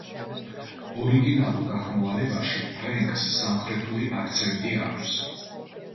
ორიგინალურ გახმოვანებაში, ფრენკს სამხრეთული აქცენტი აქვს.